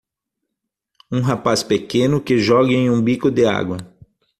Um rapaz pequeno que joga em um bico de água.